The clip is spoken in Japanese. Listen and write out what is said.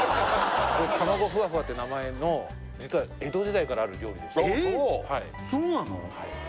「たまごふわふわ」って名前の実は江戸時代からある料理ですえそうなの！？